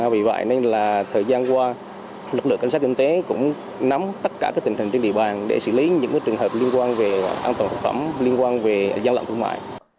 vì vậy nên là thời gian qua lực lượng cảnh sát kinh tế cũng nắm tất cả tình hình trên địa bàn để xử lý những trường hợp liên quan về an toàn thực phẩm liên quan về gian lận thương mại